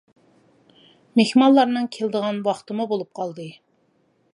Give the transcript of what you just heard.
مېھمانلارنىڭ كېلىدىغان ۋاقتىمۇ بولۇپ قالدى.